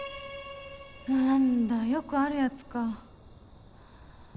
何だよくあるやつか。